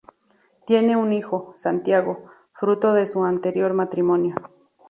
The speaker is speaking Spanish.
Tiene un hijo, Santiago, fruto de su anterior matrimonio.